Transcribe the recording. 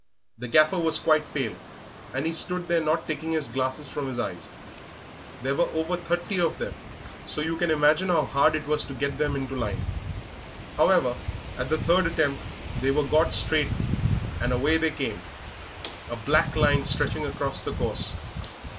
The Gaffer was quite pale, and he stood there not taking his glasses from his eyes. There were over thirty of them, so you can imagine how hard it was to get them into line. However, at the third attempt they were got straight and away they came, a black line stretching right across the course.